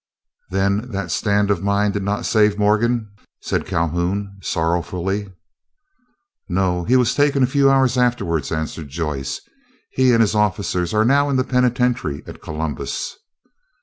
"Then that stand of mine did not save Morgan," said Calhoun, sorrowfully. "No, he was taken a few hours afterwards," answered Joyce. "He and his officers are now in the penitentiary at Columbus."